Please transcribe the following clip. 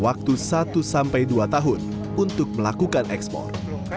waktu satu sampai dua tahun untuk melakukan ekspor